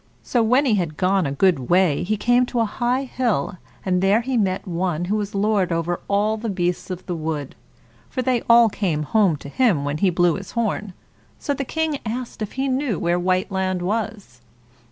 So when he had gone a good way, he came to a high hill, and there he met one who was lord over all the beasts of the wood, for they all came home to him when he blew his horn; so the King asked if he knew where Whiteland was.